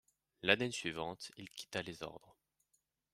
L'année suivante, il quitta les ordres.